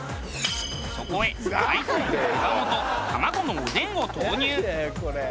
そこへ大根手羽元卵のおでんを投入。